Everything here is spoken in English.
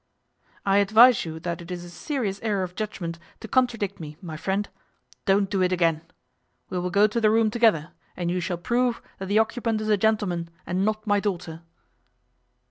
'I advise you that it is a serious error of judgement to contradict me, my friend. Don't do it again. We will go to the room together, and you shall prove that the occupant is a gentleman, and not my daughter.